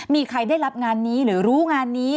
มีใครได้รับงานนี้หรือรู้งานนี้